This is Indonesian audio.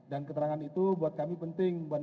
dan keterangan itu buat kami penting